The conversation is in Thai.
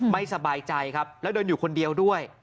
ไม่สบายใจครับแล้วเดินอยู่คนเดียวด้วย